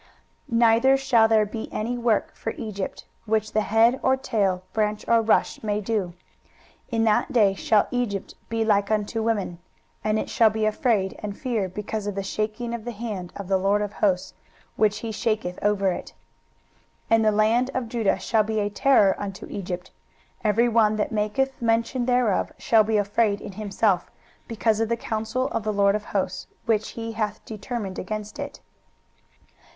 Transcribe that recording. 23:019:015 Neither shall there be any work for Egypt, which the head or tail, branch or rush, may do. 23:019:016 In that day shall Egypt be like unto women: and it shall be afraid and fear because of the shaking of the hand of the LORD of hosts, which he shaketh over it. 23:019:017 And the land of Judah shall be a terror unto Egypt, every one that maketh mention thereof shall be afraid in himself, because of the counsel of the LORD of hosts, which he hath determined against it.